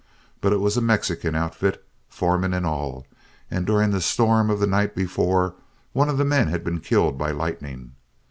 But it was a Mexican outfit, foreman and all, and during the storm of the night before, one of the men had been killed by lightning.